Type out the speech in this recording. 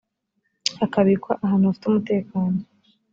akabikwa ahantu hafite umutekano